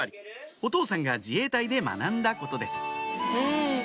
お父さんが自衛隊で学んだことです